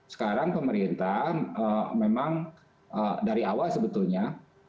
sekarang pemerintah memang dari awal sebetulnya